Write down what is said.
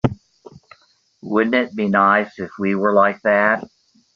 Wouldn't it be nice if we were like that?